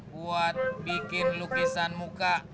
buat bikin lukisan muka